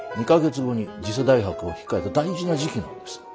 ２か月後に次世代博を控えた大事な時期なんです。